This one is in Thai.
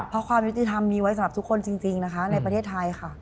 เพราะความยุติธรรมมีไว้สำหรับทุกคนจริงนะคะในประเทศไทยค่ะ